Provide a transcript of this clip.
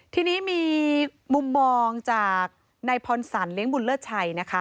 ทีนี้มีมุมมองจากนายพรสันเลี้ยงบุญเลิศชัยนะคะ